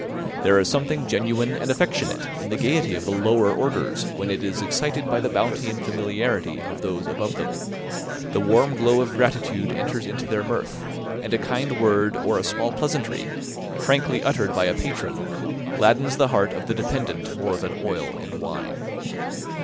There is something genuine and affectionate in the gaiety of the lower orders, when it is excited by the bounty and familiarity of those above them; the warm glow of gratitude enters into their mirth, and a kind word or a small pleasantry, frankly uttered by a patron, gladdens the heart of the dependant more than oil and wine.